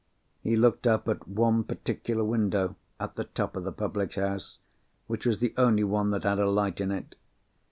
He looked up at one particular window at the top of the public house, which was the only one that had a light in it.